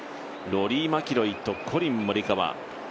ロリー・マキロイとコリン・モリカワ。